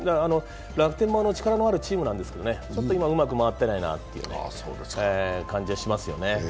楽天も力のあるチームなんですけど、ちょっとうまく回ってないなという感じはしますよね。